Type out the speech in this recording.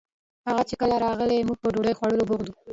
هغه چې کله راغئ موږ په ډوډۍ خوړولو بوخت وو